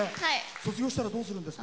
卒業したらどうするんですか？